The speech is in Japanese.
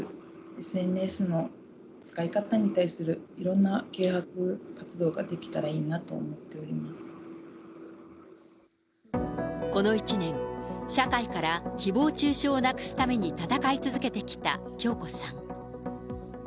ＳＮＳの使い方に対するいろんな啓発活動ができたらいいなと思っこの１年、社会からひぼう中傷をなくすために闘い続けてきた響子さん。